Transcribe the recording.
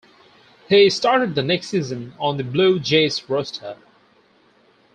He started the next season on the Blue Jays' roster.